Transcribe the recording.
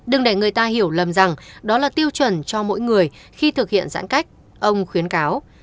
đừng để người ta hiểu lầm rằng đó là tiêu chuẩn cho mỗi người khi thực hiện giãn cách ông khuyến cáo